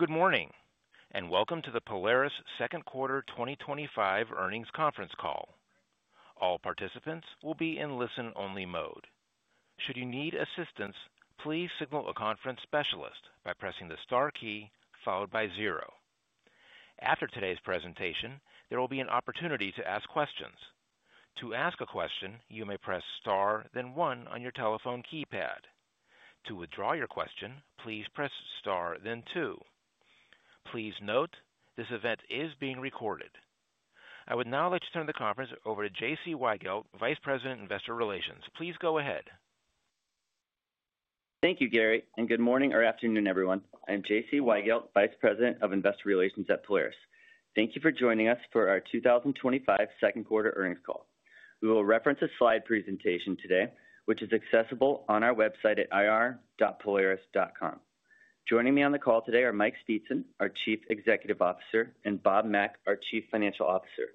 Good morning and welcome to the Polaris second quarter 2025 earnings conference call. All participants will be in listen-only mode. Should you need assistance, please signal a conference specialist by pressing the star key followed by zero. After today's presentation, there will be an opportunity to ask questions. To ask a question, you may press star then one on your telephone keypad. To withdraw your question, please press star then two. Please note this event is being recorded. I would now like to turn the conference over to J.C. Weigelt, Vice President of Investor Relations. Please go ahead. Thank you, Gary, and good morning or afternoon, everyone. I'm J.C. Weigelt, Vice President of Investor Relations at Polaris. Thank you for joining us for our 2025 second quarter earnings call. We will reference a slide presentation today, which is accessible on our website at ir.polaris.com. Joining me on the call today are Mike Speetzen, our Chief Executive Officer, and Bob Mack, our Chief Financial Officer.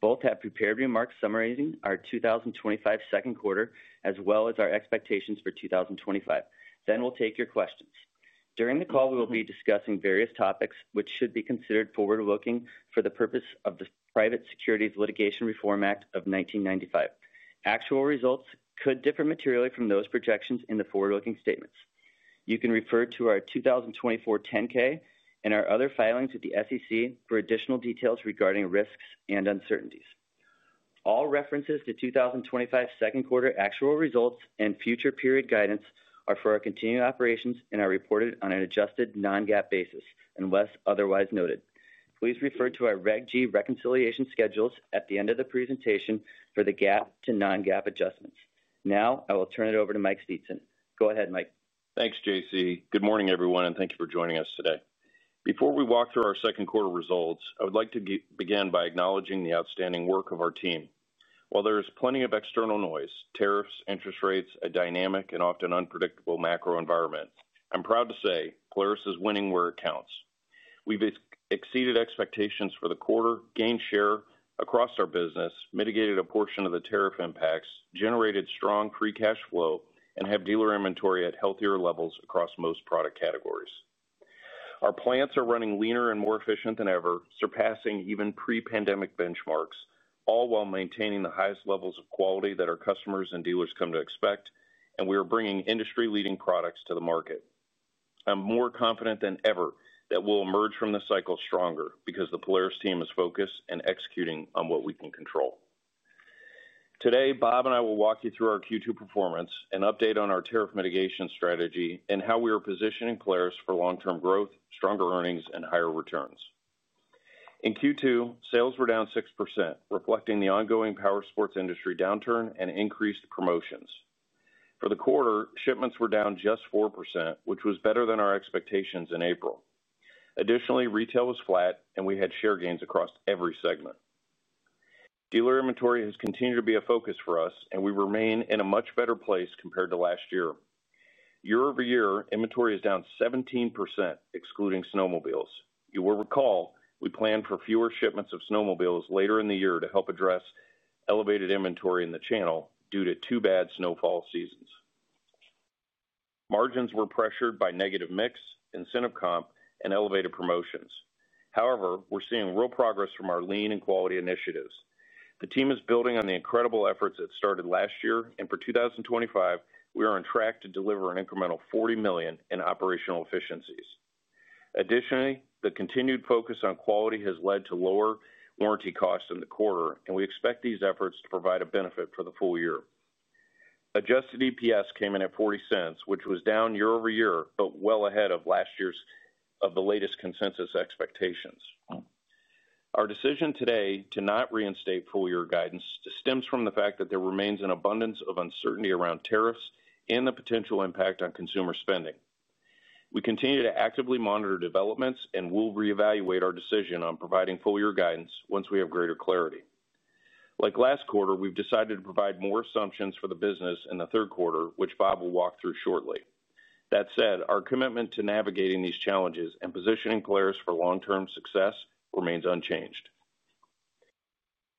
Both have prepared remarks summarizing our 2025 second quarter as well as our expectations for 2025. We will take your questions. During the call, we will be discussing various topics which should be considered forward-looking for the purpose of the Private Securities Litigation Reform Act of 1995. Actual results could differ materially from those projections in the forward-looking statements. You can refer to our 2024 10-K and our other filings with the SEC for additional details regarding risks and uncertainties. All references to 2025 second quarter actual results and future period guidance are for our continued operations and are reported on an adjusted non-GAAP basis unless otherwise noted. Please refer to our Reg G reconciliation schedules at the end of the presentation for the GAAP to non-GAAP adjustments. Now I will turn it over to Mike Speetzen. Go ahead, Mike. Thanks, J.C. Good morning, everyone, and thank you for joining us today. Before we walk through our second quarter results, I would like to begin by acknowledging the outstanding work of our team. While there is plenty of external noise, tariffs, interest rates, a dynamic and often unpredictable macro environment, I'm proud to say Polaris is winning where it counts. We've exceeded expectations for the quarter, gained share across our business, mitigated a portion of the tariff impacts, generated strong free cash flow, and have dealer inventory at healthier levels across most product categories. Our plants are running leaner and more efficient than ever, surpassing even pre-pandemic benchmarks, all while maintaining the highest levels of quality that our customers and dealers come to expect. We are bringing industry-leading products to the market. I'm more confident than ever that we'll emerge from this cycle stronger because the Polaris team is focused and executing on what we can control. Today, Bob and I will walk you through our Q2 performance and update on our tariff mitigation strategy and how we are positioning Polaris for long-term growth, stronger earnings, and higher returns. In Q2, sales were down 6%, reflecting the ongoing powersports industry downturn and increased promotions. For the quarter, shipments were down just 4%, which was better than our expectations in April. Additionally, retail was flat and we had share gains across every segment. Dealer inventory has continued to be a focus for us, and we remain in a much better place compared to last year. Year-over-year, inventory is down 17%, excluding snowmobiles. You will recall we planned for fewer shipments of snowmobiles later in the year to help address elevated inventory in the channel due to two bad snowfall seasons. Margins were pressured by negative mix, incentive comp, and elevated promotions. However, we're seeing real progress from our lean and quality initiatives. The team is building on the incredible efforts that started last year, and for 2025, we are on track to deliver an incremental $40 million in operational efficiencies. Additionally, the continued focus on quality has led to lower warranty costs in the quarter, and we expect these efforts to provide a benefit for the full year. Adjusted EPS came in at $0.40, which was down year-over-year, but well ahead of last year's latest consensus expectations. Our decision today to not reinstate full-year guidance stems from the fact that there remains an abundance of uncertainty around tariffs and the potential impact on consumer spending. We continue to actively monitor developments and will reevaluate our decision on providing full-year guidance once we have greater clarity. Like last quarter, we've decided to provide more assumptions for the business in the third quarter, which Bob will walk through shortly. That said, our commitment to navigating these challenges and positioning Polaris for long-term success remains unchanged.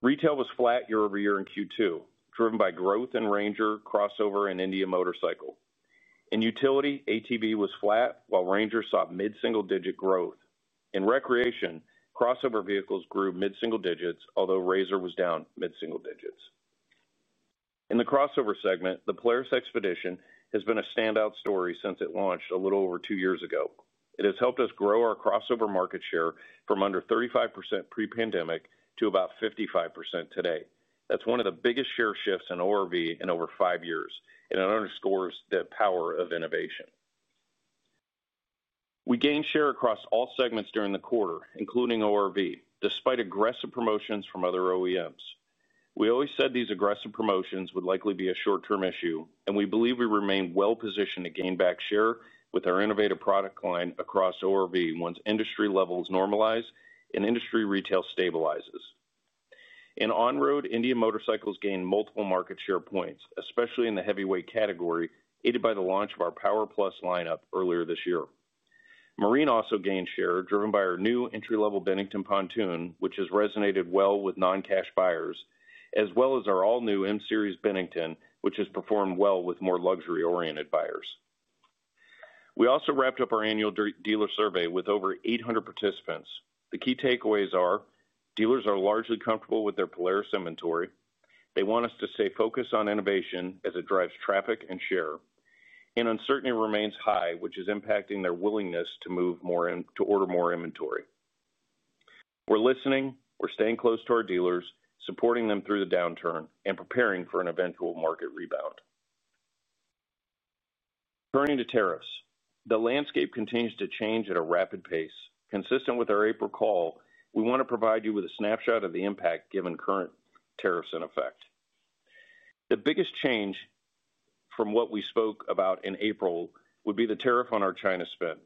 Retail was flat year-over-year in Q2, driven by growth in RANGER, crossover, and Indian Motorcycle. In utility, ATV was flat, while RANGER saw mid-single-digit growth. In recreation, crossover vehicles grew mid-single digits, although RZR was down mid-single digits. In the crossover segment, the Polaris XPEDITION has been a standout story since it launched a little over two years ago. It has helped us grow our crossover market share from under 35% pre-pandemic to about 55% today. That's one of the biggest share shifts in ORV in over five years, and it underscores the power of innovation. We gained share across all segments during the quarter, including ORV, despite aggressive promotions from other OEMs. We always said these aggressive promotions would likely be a short-term issue, and we believe we remain well-positioned to gain back share with our innovative product line across ORV once industry levels normalize and industry retail stabilizes. In On Road, Indian Motorcycle gained multiple market share points, especially in the heavyweight category, aided by the launch of our PowerPlus lineup earlier this year. Marine also gained share, driven by our new entry-level Bennington pontoon, which has resonated well with non-cash buyers, as well as our all-new M Series Bennington, which has performed well with more luxury-oriented buyers. We also wrapped up our Annual Dealer Survey with over 800 participants. The key takeaways are dealers are largely comfortable with their Polaris inventory. They want us to stay focused on innovation as it drives traffic and share, and uncertainty remains high, which is impacting their willingness to move more and to order more inventory. We're listening, we're staying close to our dealers, supporting them through the downturn, and preparing for an eventual market rebound. Turning to tariffs, the landscape continues to change at a rapid pace. Consistent with our April call, we want to provide you with a snapshot of the impact given current tariffs in effect. The biggest change from what we spoke about in April would be the tariff on our China spend.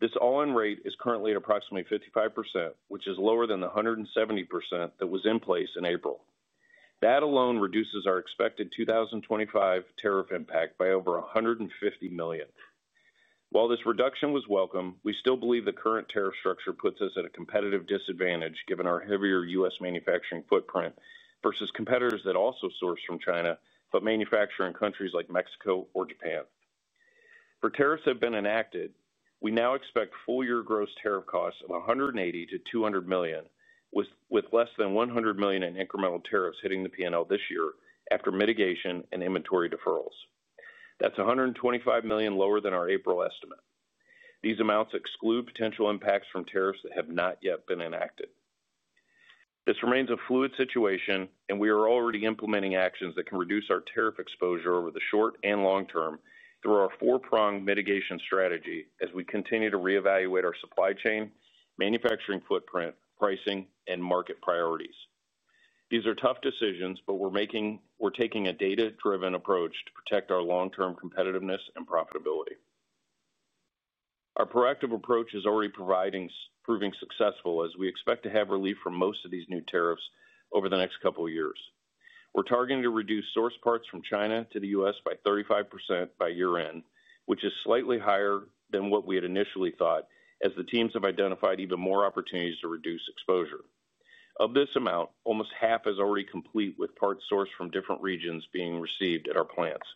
This all-in rate is currently at approximately 55%, which is lower than the 170% that was in place in April. That alone reduces our expected 2025 tariff impact by over $150 million. While this reduction was welcome, we still believe the current tariff structure puts us at a competitive disadvantage given our heavier U.S. manufacturing footprint versus competitors that also source from China but manufacture in countries like Mexico or Japan. For tariffs that have been enacted, we now expect full-year gross tariff costs of $180 million-$200 million, with less than $100 million in incremental tariffs hitting the P&L this year after mitigation and inventory deferrals. That's $125 million lower than our April estimate. These amounts exclude potential impacts from tariffs that have not yet been enacted. This remains a fluid situation, and we are already implementing actions that can reduce our tariff exposure over the short and long term through our four-pronged mitigation strategy as we continue to reevaluate our supply chain, manufacturing footprint, pricing, and market priorities. These are tough decisions, but we're taking a data-driven approach to protect our long-term competitiveness and profitability. Our proactive approach is already proving successful, as we expect to have relief from most of these new tariffs over the next couple of years. We're targeting to reduce source parts from China to the U.S. by 35% by year-end, which is slightly higher than what we had initially thought, as the teams have identified even more opportunities to reduce exposure. Of this amount, almost half is already complete, with parts sourced from different regions being received at our plants.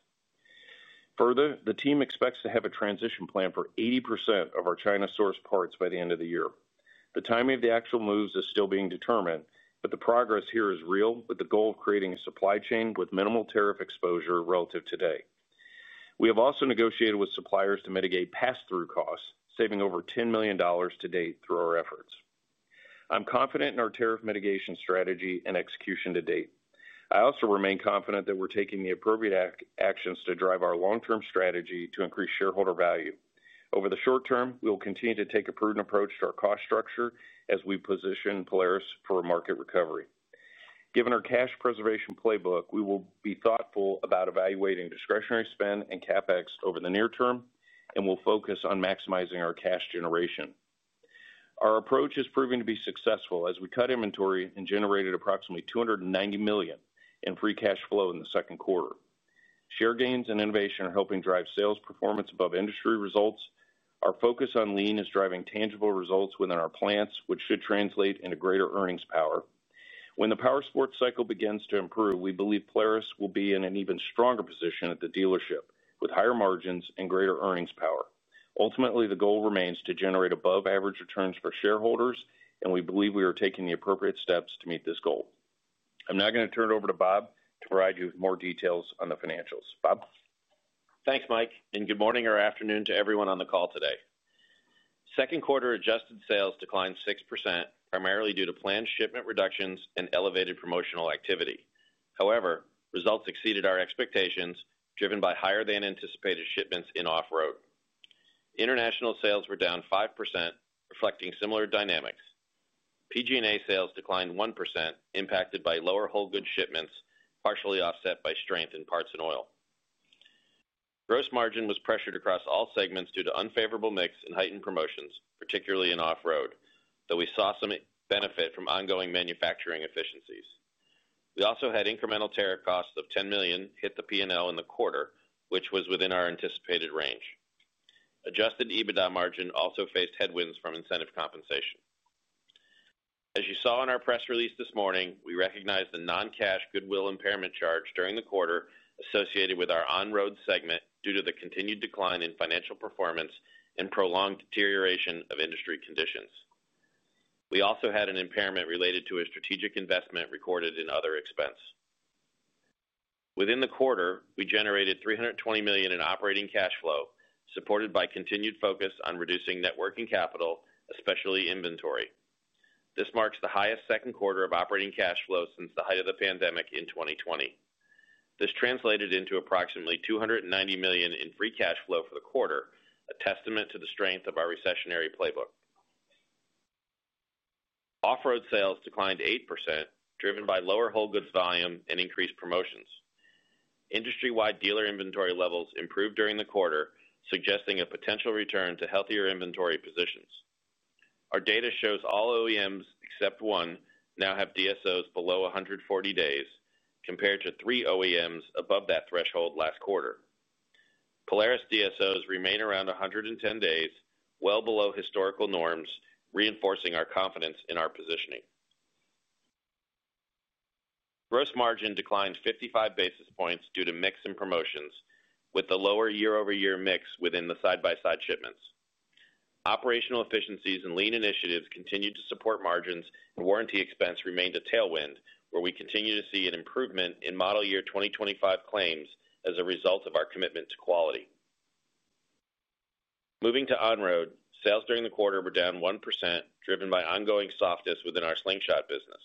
Further, the team expects to have a transition plan for 80% of our China source parts by the end of the year. The timing of the actual moves is still being determined, but the progress here is real, with the goal of creating a supply chain with minimal tariff exposure relative to today. We have also negotiated with suppliers to mitigate pass-through costs, saving over $10 million to date through our efforts. I'm confident in our tariff mitigation strategy and execution to date. I also remain confident that we're taking the appropriate actions to drive our long-term strategy to increase shareholder value. Over the short term, we will continue to take a prudent approach to our cost structure as we position Polaris for a market recovery. Given our cash preservation playbook, we will be thoughtful about evaluating discretionary spend and CapEx over the near term, and we'll focus on maximizing our cash generation. Our approach is proving to be successful as we cut inventory and generated approximately $290 million in free cash flow in the second quarter. Share gains and innovation are helping drive sales performance above industry results. Our focus on lean is driving tangible results within our plants, which should translate into greater earnings power. When the powersports cycle begins to improve, we believe Polaris will be in an even stronger position at the dealership, with higher margins and greater earnings power. Ultimately, the goal remains to generate above-average returns for shareholders, and we believe we are taking the appropriate steps to meet this goal. I'm now going to turn it over to Bob to provide you with more details on the financials. Bob? Thanks, Mike, and good morning or afternoon to everyone on the call today. Second quarter adjusted sales declined 6%, primarily due to planned shipment reductions and elevated promotional activity. However, results exceeded our expectations, driven by higher than anticipated shipments in Off Road. International sales were down 5%, reflecting similar dynamics. PG&A sales declined 1%, impacted by lower whole goods shipments, partially offset by strength in parts and oil. Gross margin was pressured across all segments due to unfavorable mix and heightened promotions, particularly in Off Road, though we saw some benefit from ongoing manufacturing efficiencies. We also had incremental tariff costs of $10 million hit the P&L in the quarter, which was within our anticipated range. Adjusted EBITDA margin also faced headwinds from incentive compensation. As you saw in our press release this morning, we recognize the non-cash goodwill impairment charge during the quarter associated with our On Road segment due to the continued decline in financial performance and prolonged deterioration of industry conditions. We also had an impairment related to a strategic investment recorded in other expense. Within the quarter, we generated $320 million in operating cash flow, supported by continued focus on reducing net working capital, especially inventory. This marks the highest second quarter of operating cash flow since the height of the pandemic in 2020. This translated into approximately $290 million in free cash flow for the quarter, a testament to the strength of our recessionary playbook. Off Road sales declined 8%, driven by lower whole goods volume and increased promotions. Industry-wide dealer inventory levels improved during the quarter, suggesting a potential return to healthier inventory positions. Our data shows all OEMs except one now have DSOs below 140 days, compared to three OEMs above that threshold last quarter. Polaris DSOs remain around 110 days, well below historical norms, reinforcing our confidence in our positioning. Gross margin declined 55 basis points due to mix and promotions, with the lower year-over-year mix within the side-by-side shipments. Operational efficiencies and lean initiatives continue to support margins, and warranty expense remained a tailwind, where we continue to see an improvement in model year 2025 claims as a result of our commitment to quality. Moving to On Road, sales during the quarter were down 1%, driven by ongoing softness within our Slingshot business.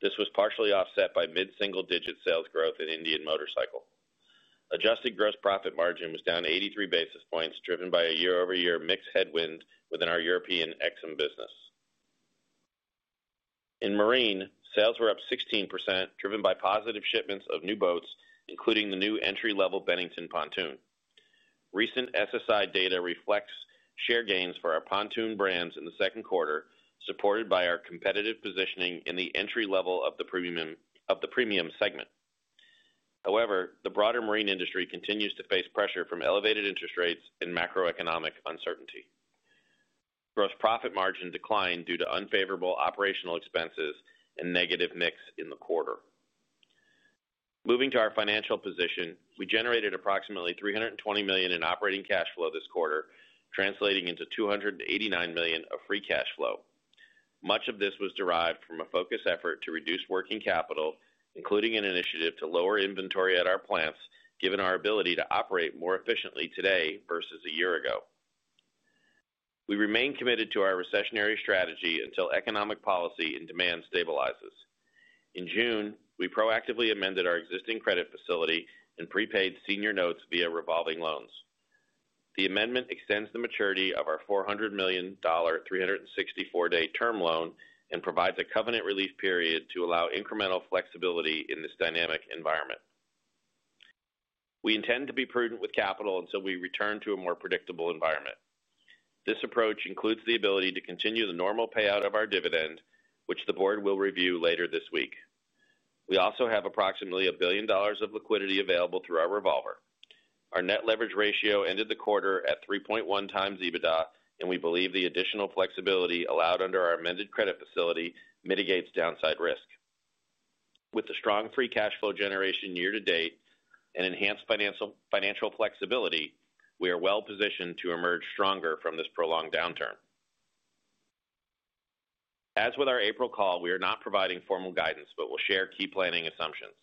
This was partially offset by mid-single-digit sales growth in Indian Motorcycle. Adjusted gross profit margin was down 83 basis points, driven by a year-over-year mix headwind within our European AIXAM business. In Marine, sales were up 16%, driven by positive shipments of new boats, including the new entry-level Bennington pontoon. Recent SSI data reflects share gains for our pontoon brands in the second quarter, supported by our competitive positioning in the entry level of the premium segment. However, the broader Marine industry continues to face pressure from elevated interest rates and macroeconomic uncertainty. Gross profit margin declined due to unfavorable operational expenses and negative mix in the quarter. Moving to our financial position, we generated approximately $320 million in operating cash flow this quarter, translating into $289 million of free cash flow. Much of this was derived from a focused effort to reduce working capital, including an initiative to lower inventory at our plants, given our ability to operate more efficiently today versus a year ago. We remain committed to our recessionary strategy until economic policy and demand stabilizes. In June, we proactively amended our existing credit facility and prepaid senior notes via revolving loans. The amendment extends the maturity of our $400 million 364-day term loan and provides a covenant relief period to allow incremental flexibility in this dynamic environment. We intend to be prudent with capital until we return to a more predictable environment. This approach includes the ability to continue the normal payout of our dividend, which the board will review later this week. We also have approximately $1 billion of liquidity available through our revolver. Our net leverage ratio ended the quarter at 3.1x EBITDA, and we believe the additional flexibility allowed under our amended credit facility mitigates downside risk. With the strong free cash flow generation year to date and enhanced financial flexibility, we are well positioned to emerge stronger from this prolonged downturn. As with our April call, we are not providing formal guidance, but we'll share key planning assumptions.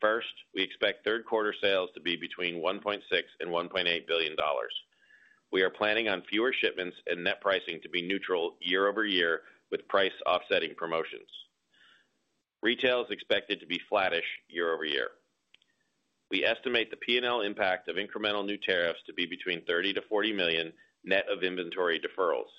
First, we expect third quarter sales to be between $1.6 billion and $1.8 billion. We are planning on fewer shipments and net pricing to be neutral year-over-year, with price offsetting promotions. Retail is expected to be flattish year-over-year. We estimate the P&L impact of incremental new tariffs to be between $30 million-$40 million net of inventory deferrals.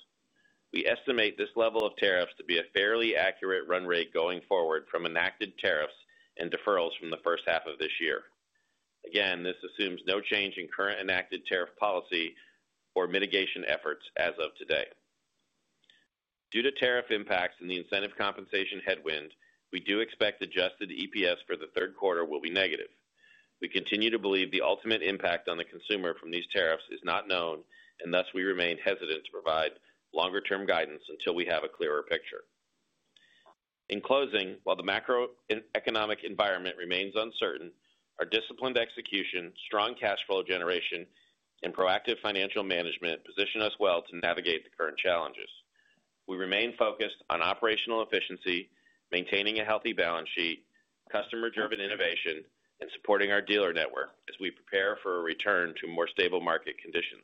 We estimate this level of tariffs to be a fairly accurate run rate going forward from enacted tariffs and deferrals from the first half of this year. This assumes no change in current enacted tariff policy or mitigation efforts as of today. Due to tariff impacts and the incentive compensation headwind, we do expect adjusted EPS for the third quarter will be negative. We continue to believe the ultimate impact on the consumer from these tariffs is not known, and thus we remain hesitant to provide longer-term guidance until we have a clearer picture. In closing, while the macroeconomic environment remains uncertain, our disciplined execution, strong cash flow generation, and proactive financial management position us well to navigate the current challenges. We remain focused on operational efficiency, maintaining a healthy balance sheet, customer-driven innovation, and supporting our dealer network as we prepare for a return to more stable market conditions.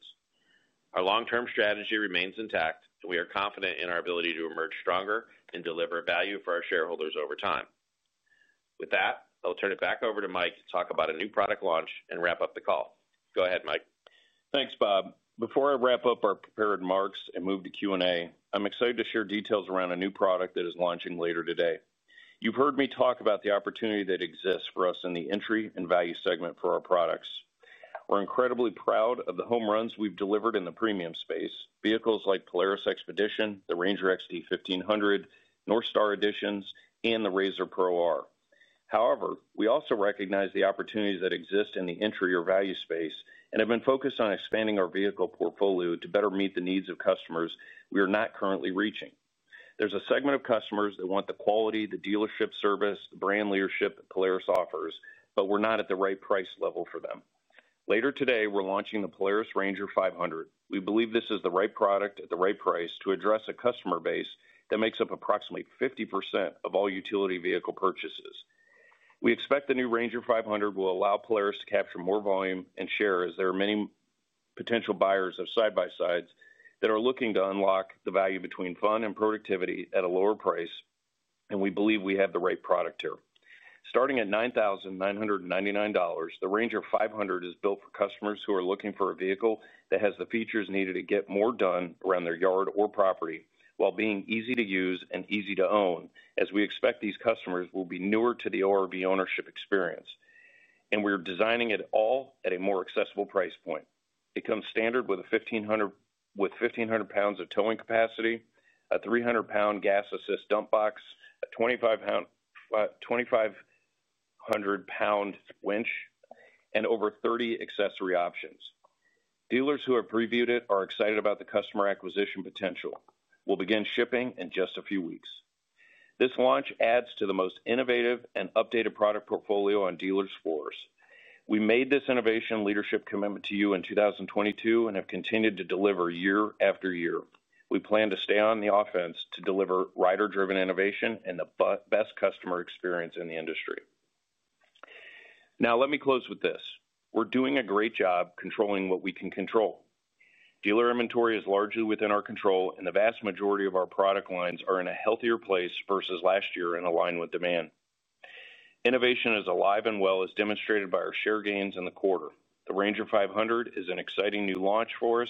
Our long-term strategy remains intact, and we are confident in our ability to emerge stronger and deliver value for our shareholders over time. With that, I'll turn it back over to Mike to talk about a new product launch and wrap up the call. Go ahead, Mike. Thanks, Bob. Before I wrap up our prepared remarks and move to Q&A, I'm excited to share details around a new product that is launching later today. You've heard me talk about the opportunity that exists for us in the entry and value segment for our products. We're incredibly proud of the home runs we've delivered in the premium space, vehicles like Polaris XPEDITION, the RANGER XD 1500, NorthStar Editions, and the RZR Pro R. However, we also recognize the opportunities that exist in the entry or value space and have been focused on expanding our vehicle portfolio to better meet the needs of customers we are not currently reaching. There's a segment of customers that want the quality, the dealership service, the brand leadership that Polaris offers, but we're not at the right price level for them. Later today, we're launching the Polaris RANGER 500. We believe this is the right product at the right price to address a customer base that makes up approximately 50% of all utility vehicle purchases. We expect the new RANGER 500 will allow Polaris to capture more volume and share, as there are many potential buyers of side-by-sides that are looking to unlock the value between fun and productivity at a lower price, and we believe we have the right product here. Starting at $9,999, the RANGER 500 is built for customers who are looking for a vehicle that has the features needed to get more done around their yard or property, while being easy to use and easy to own, as we expect these customers will be newer to the ORV ownership experience. We are designing it all at a more accessible price point. It comes standard with 1,500 lbs of towing capacity, a 300 lbs gas-assist dump box, a 2,500 lbs winch, and over 30 accessory options. Dealers who have previewed it are excited about the customer acquisition potential. We'll begin shipping in just a few weeks. This launch adds to the most innovative and updated product portfolio on dealers' floors. We made this innovation leadership commitment to you in 2022 and have continued to deliver year after year. We plan to stay on the offense to deliver rider-driven innovation and the best customer experience in the industry. Now, let me close with this. We're doing a great job controlling what we can control. Dealer inventory is largely within our control, and the vast majority of our product lines are in a healthier place versus last year and aligned with demand. Innovation is alive and well, as demonstrated by our share gains in the quarter. The RANGER 500 is an exciting new launch for us,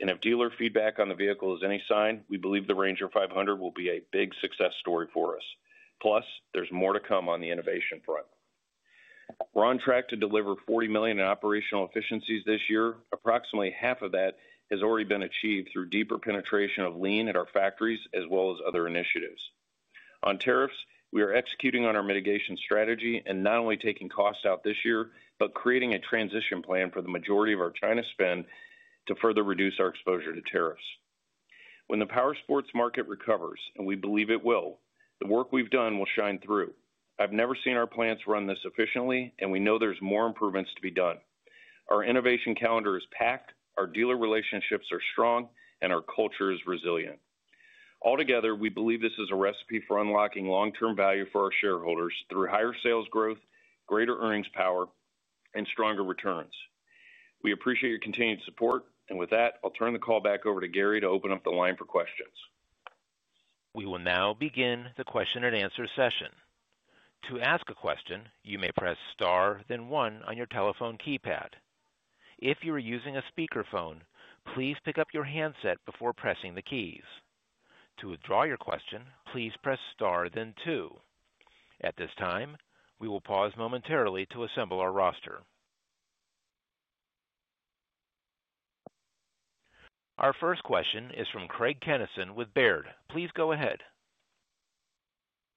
and if dealer feedback on the vehicle is any sign, we believe the RANGER 500 will be a big success story for us. Plus, there's more to come on the innovation front. We're on track to deliver $40 million in operational efficiencies this year. Approximately half of that has already been achieved through deeper penetration of lean manufacturing at our factories, as well as other initiatives. On tariffs, we are executing on our mitigation strategy and not only taking costs out this year, but creating a transition plan for the majority of our China spend to further reduce our exposure to tariffs. When the powersports market recovers, and we believe it will, the work we've done will shine through. I've never seen our plants run this efficiently, and we know there's more improvements to be done. Our innovation calendar is packed, our dealer relationships are strong, and our culture is resilient. Altogether, we believe this is a recipe for unlocking long-term value for our shareholders through higher sales growth, greater earnings power, and stronger returns. We appreciate your continued support, and with that, I'll turn the call back over to Gary to open up the line for questions. We will now begin the question and answer session. To ask a question, you may press star then one on your telephone keypad. If you are using a speakerphone, please pick up your handset before pressing the keys. To withdraw your question, please press star then two. At this time, we will pause momentarily to assemble our roster. Our first question is from Craig Kennison with Baird. Please go ahead.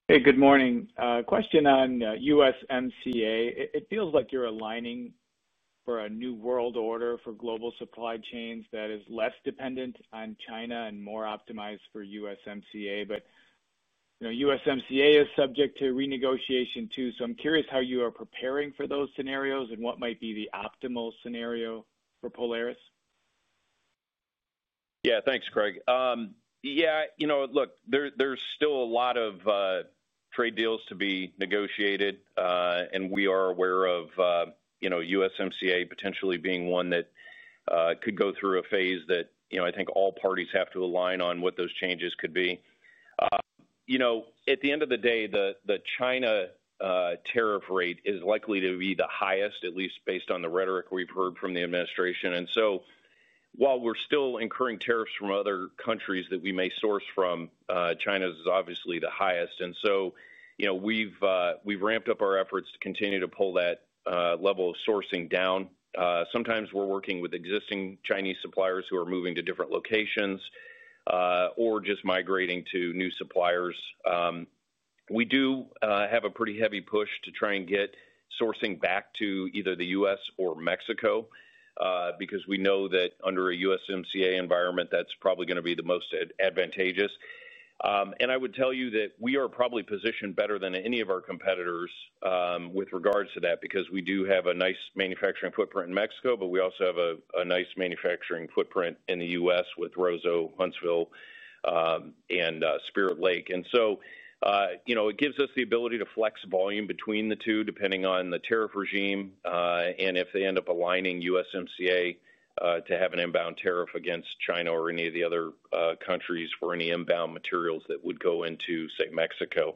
Hey, good morning. Question on USMCA. It feels like you're aligning for a new world order for global supply chains that is less dependent on China and more optimized for USMCA. USMCA is subject to renegotiation too. I'm curious how you are preparing for those scenarios and what might be the optimal scenario for Polaris? Yeah, thanks, Craig. You know, look, there's still a lot of trade deals to be negotiated, and we are aware of USMCA potentially being one that could go through a phase that I think all parties have to align on what those changes could be. At the end of the day, the China tariff rate is likely to be the highest, at least based on the rhetoric we've heard from the administration. While we're still incurring tariffs from other countries that we may source from, China's is obviously the highest. We've ramped up our efforts to continue to pull that level of sourcing down. Sometimes we're working with existing Chinese suppliers who are moving to different locations or just migrating to new suppliers. We do have a pretty heavy push to try and get sourcing back to either the U.S. or Mexico because we know that under a USMCA environment, that's probably going to be the most advantageous. I would tell you that we are probably positioned better than any of our competitors with regards to that because we do have a nice manufacturing footprint in Mexico, but we also have a nice manufacturing footprint in the U.S. with Roseau, Huntsville, and Spirit Lake. It gives us the ability to flex volume between the two depending on the tariff regime and if they end up aligning USMCA to have an inbound tariff against China or any of the other countries for any inbound materials that would go into, say, Mexico.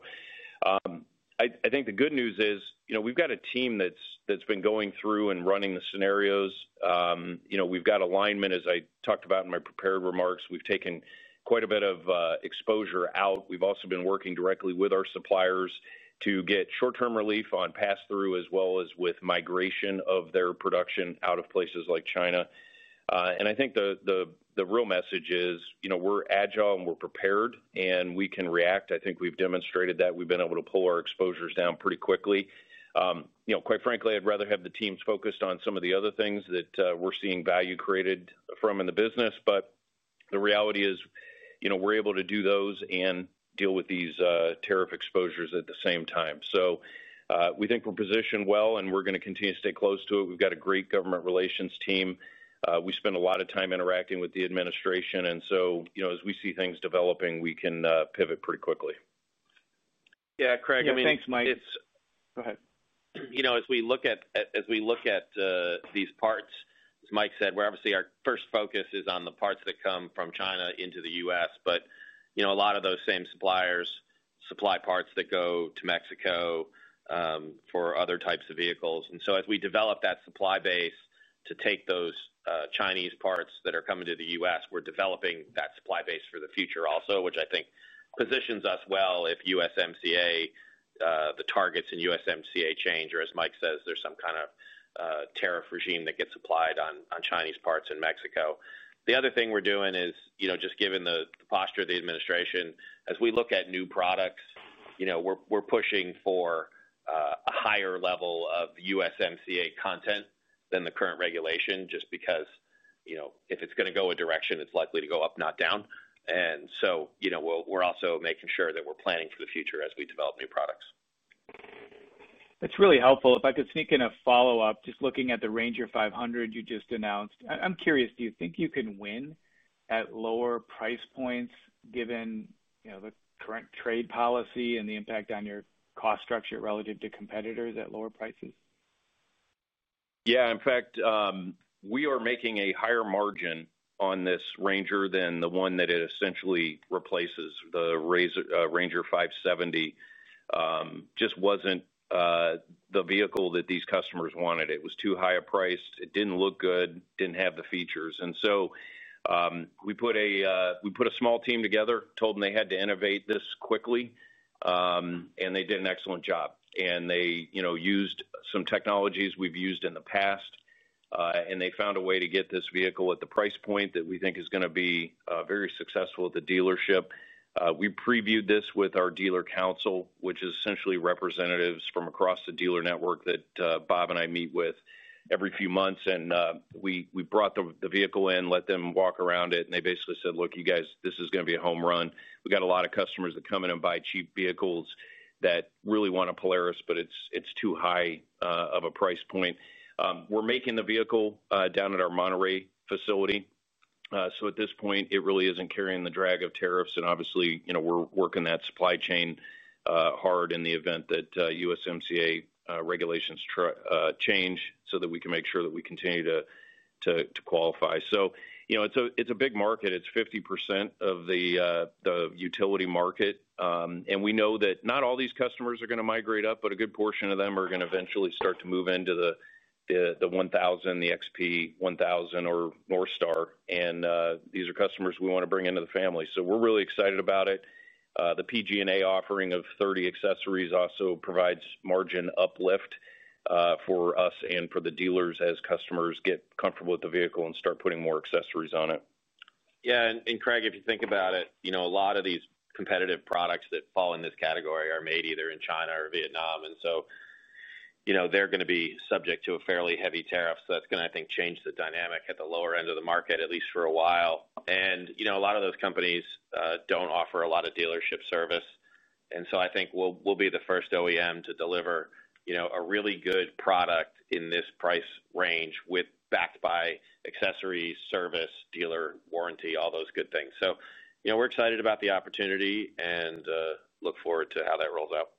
The good news is we've got a team that's been going through and running the scenarios. We've got alignment, as I talked about in my prepared remarks. We've taken quite a bit of exposure out. We've also been working directly with our suppliers to get short-term relief on pass-through as well as with migration of their production out of places like China. The real message is we're agile and we're prepared and we can react. I think we've demonstrated that. We've been able to pull our exposures down pretty quickly. Quite frankly, I'd rather have the teams focused on some of the other things that we're seeing value created from in the business. The reality is we're able to do those and deal with these tariff exposures at the same time. We think we're positioned well and we're going to continue to stay close to it. We've got a great government relations team. We spend a lot of time interacting with the administration. As we see things developing, we can pivot pretty quickly. Yeah, Craig, I mean. Yeah, thanks, Mike. Go ahead. As we look at these parts, as Mike said, our first focus is on the parts that come from China into the U.S. A lot of those same suppliers supply parts that go to Mexico for other types of vehicles. As we develop that supply base to take those Chinese parts that are coming to the U.S., we're developing that supply base for the future also, which I think positions us well if USMCA, the targets in USMCA change or, as Mike says, there's some kind of tariff regime that gets applied on Chinese parts in Mexico. The other thing we're doing is, given the posture of the administration, as we look at new products, we're pushing for a higher level of USMCA content than the current regulation just because, if it's going to go a direction, it's likely to go up, not down. We're also making sure that we're planning for the future as we develop new products. That's really helpful. If I could sneak in a follow-up, just looking at the RANGER 500 you just announced, I'm curious, do you think you can win at lower price points given, you know, the current trade policy and the impact on your cost structure relative to competitors at lower prices? Yeah, in fact, we are making a higher margin on this RANGER than the one that it essentially replaces. The RANGER 570 just wasn't the vehicle that these customers wanted. It was too high a price. It didn't look good. It didn't have the features. We put a small team together, told them they had to innovate this quickly, and they did an excellent job. They used some technologies we've used in the past, and they found a way to get this vehicle at the price point that we think is going to be very successful at the dealership. We previewed this with our dealer council, which is essentially representatives from across the dealer network that Bob and I meet with every few months. We brought the vehicle in, let them walk around it, and they basically said, "Look, you guys, this is going to be a home run. We got a lot of customers that come in and buy cheap vehicles that really want a Polaris, but it's too high of a price point." We're making the vehicle down at our Monterrey facility. At this point, it really isn't carrying the drag of tariffs. Obviously, we're working that supply chain hard in the event that USMCA regulations change so that we can make sure that we continue to qualify. It's a big market. It's 50% of the utility market. We know that not all these customers are going to migrate up, but a good portion of them are going to eventually start to move into the 1000, the XP 1000 or NorthStar. These are customers we want to bring into the family. We're really excited about it. The PG&A offering of 30 accessories also provides margin uplift for us and for the dealers as customers get comfortable with the vehicle and start putting more accessories on it. Yeah, Craig, if you think about it, a lot of these competitive products that fall in this category are made either in China or Vietnam. They're going to be subject to a fairly heavy tariff. That's going to, I think, change the dynamic at the lower end of the market, at least for a while. A lot of those companies don't offer a lot of dealership service. I think we'll be the first OEM to deliver a really good product in this price range backed by accessories, service, dealer warranty, all those good things. We're excited about the opportunity and look forward to how that rolls out.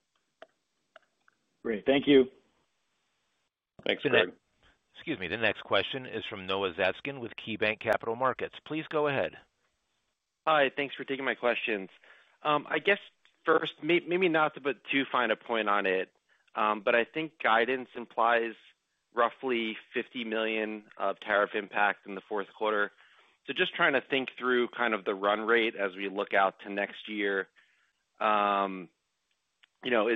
Great, thank you. Thanks, Craig. Excuse me, the next question is from Noah Zatzkin with KeyBanc Capital Markets. Please go ahead. Hi, thanks for taking my questions. I guess first, maybe not to put too fine a point on it, but I think guidance implies roughly $50 million of tariff impact in the fourth quarter. Just trying to think through kind of the run rate as we look out to next year. Is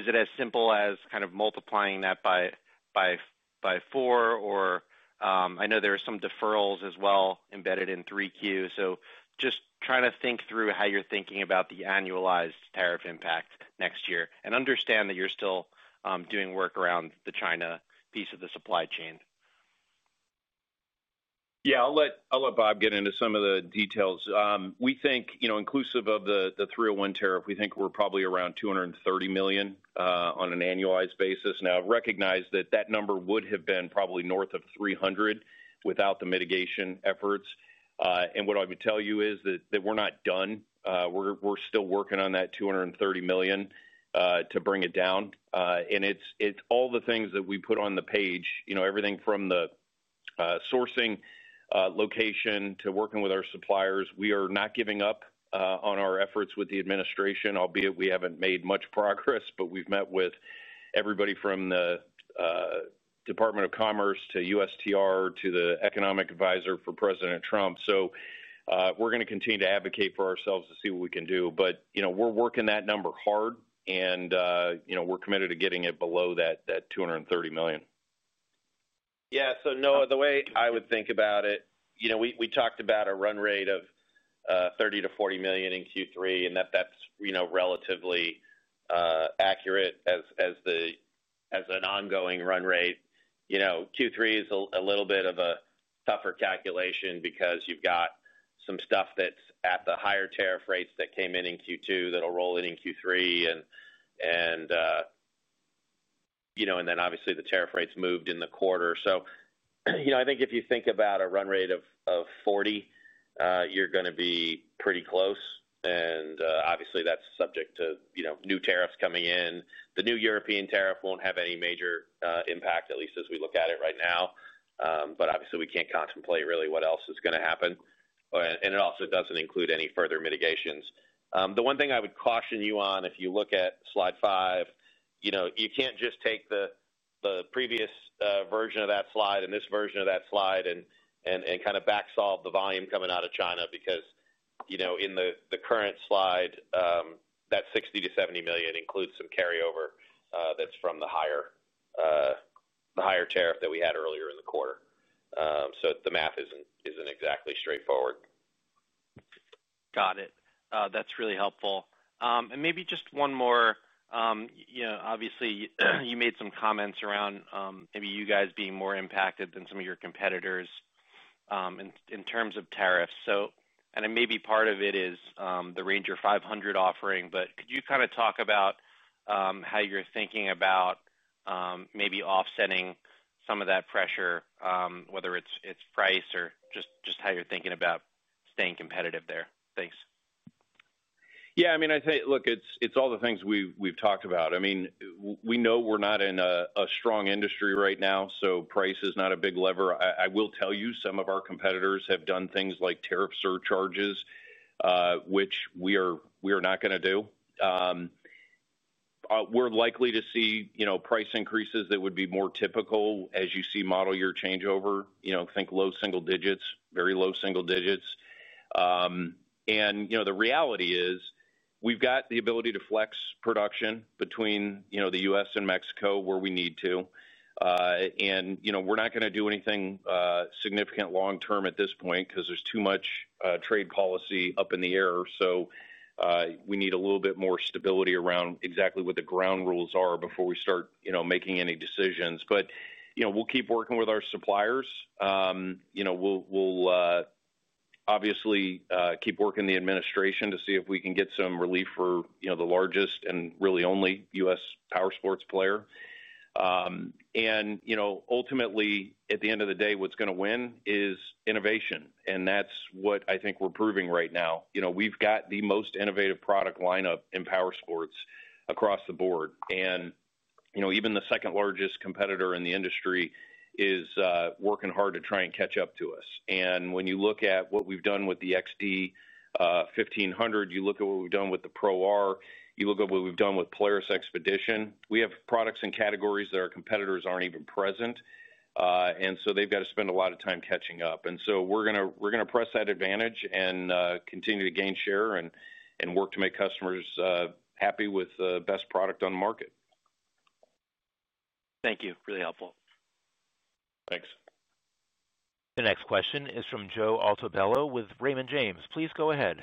it as simple as kind of multiplying that by four? I know there are some deferrals as well embedded in 3Q. Just trying to think through how you're thinking about the annualized tariff impact next year and understand that you're still doing work around the China piece of the supply chain. I'll let Bob get into some of the details. We think, inclusive of the 301 tariff, we're probably around $230 million on an annualized basis. I've recognized that number would have been probably north of $300 million without the mitigation efforts. What I can tell you is that we're not done. We're still working on that $230 million to bring it down. It's all the things that we put on the page, everything from the sourcing location to working with our suppliers. We are not giving up on our efforts with the administration, albeit we haven't made much progress, but we've met with everybody from the Department of Commerce to USTR to the Economic Advisor for President Trump. We're going to continue to advocate for ourselves to see what we can do. We're working that number hard and we're committed to getting it below that $230 million. Yeah, so Noah, the way I would think about it, you know, we talked about a run rate of $30 million-$40 million in Q3 and that's, you know, relatively accurate as an ongoing run rate. Q3 is a little bit of a tougher calculation because you've got some stuff that's at the higher tariff rates that came in in Q2 that'll roll in in Q3. Obviously, the tariff rates moved in the quarter. I think if you think about a run rate of $40 million, you're going to be pretty close. Obviously, that's subject to new tariffs coming in. The new European tariff won't have any major impact, at least as we look at it right now. Obviously, we can't contemplate really what else is going to happen. It also doesn't include any further mitigations. The one thing I would caution you on, if you look at slide five, you can't just take the previous version of that slide and this version of that slide and kind of backsolve the volume coming out of China because, in the current slide, that $60 million-$70 million includes some carryover that's from the higher tariff that we had earlier in the quarter. The math isn't exactly straightforward. Got it. That's really helpful. Maybe just one more, you know, obviously you made some comments around maybe you guys being more impacted than some of your competitors in terms of tariffs. It may be part of it is the RANGER 500 offering, but could you kind of talk about how you're thinking about maybe offsetting some of that pressure, whether it's price or just how you're thinking about staying competitive there? Thanks. Yeah, I mean, I think, look, it's all the things we've talked about. We know we're not in a strong industry right now, so price is not a big lever. I will tell you some of our competitors have done things like tariff surcharges, which we are not going to do. We're likely to see price increases that would be more typical as you see model year changeover. Think low single digits, very low single digits. The reality is we've got the ability to flex production between the U.S. and Mexico where we need to. We're not going to do anything significant long term at this point because there's too much trade policy up in the air. We need a little bit more stability around exactly what the ground rules are before we start making any decisions. We'll keep working with our suppliers. We'll obviously keep working the administration to see if we can get some relief for the largest and really only U.S. powersports player. Ultimately, at the end of the day, what's going to win is innovation. That's what I think we're proving right now. We've got the most innovative product lineup in powersports across the board. Even the second largest competitor in the industry is working hard to try and catch up to us. When you look at what we've done with the XD 1500, you look at what we've done with the Pro R, you look at what we've done with Polaris XPEDITION, we have products and categories that our competitors aren't even present. They've got to spend a lot of time catching up. We're going to press that advantage and continue to gain share and work to make customers happy with the best product on the market. Thank you. Really helpful. Thanks. The next question is from Joe Altobello with Raymond James. Please go ahead.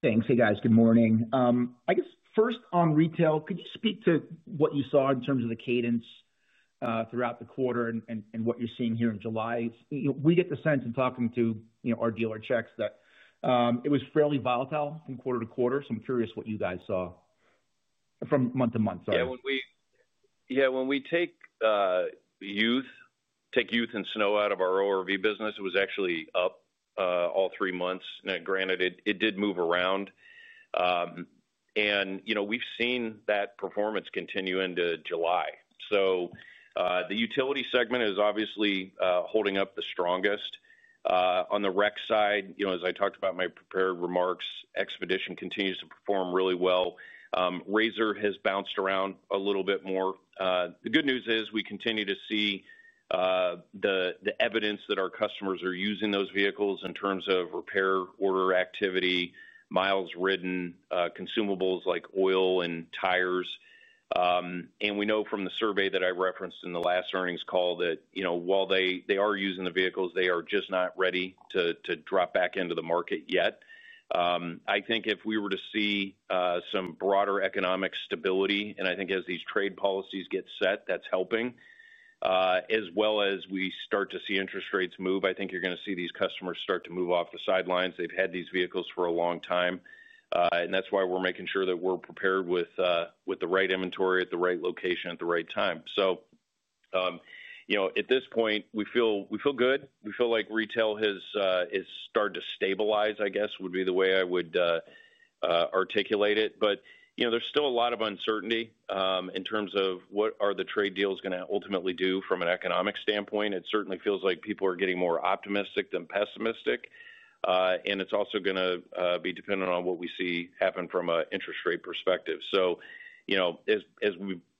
Thanks. Hey guys, good morning. I guess first on retail, could you speak to what you saw in terms of the cadence throughout the quarter and what you're seeing here in July? We get the sense in talking to our dealer checks that it was fairly volatile from quarter to quarter. I'm curious what you guys saw from month to month. Yeah, when we take youth and snow out of our ORV business, it was actually up all three months. Granted, it did move around. We've seen that performance continue into July. The utility segment is obviously holding up the strongest. On the rec side, as I talked about in my prepared remarks, XPEDITION continues to perform really well. RZR has bounced around a little bit more. The good news is we continue to see the evidence that our customers are using those vehicles in terms of repair order activity, miles ridden, consumables like oil and tires. We know from the survey that I referenced in the last earnings call that while they are using the vehicles, they are just not ready to drop back into the market yet. I think if we were to see some broader economic stability, and as these trade policies get set, that's helping. As we start to see interest rates move, I think you're going to see these customers start to move off the sidelines. They've had these vehicles for a long time. That's why we're making sure that we're prepared with the right inventory at the right location at the right time. At this point, we feel good. We feel like retail has started to stabilize, I guess would be the way I would articulate it. There's still a lot of uncertainty in terms of what are the trade deals going to ultimately do from an economic standpoint. It certainly feels like people are getting more optimistic than pessimistic. It's also going to be dependent on what we see happen from an interest rate perspective. As